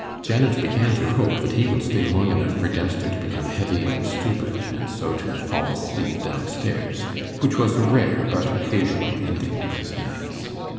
Janet began to hope that he would stay long enough for Dempster to become heavy and stupid, and so to fall asleep down stairs, which was a rare but occasional ending of his nights.